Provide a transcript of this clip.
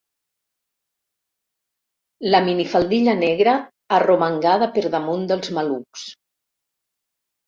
La minifaldilla negra arromangada per damunt dels malucs.